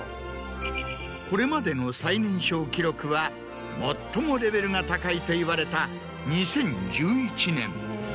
これまでの最年少記録は最もレベルが高いといわれた２０１１年。